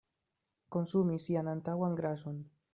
Konsumi sian antaŭan grason.